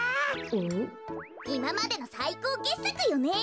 いままでのさいこうけっさくよね。